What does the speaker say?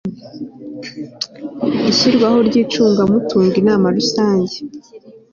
ishyirwaho ry'umucungamutungo inama rusange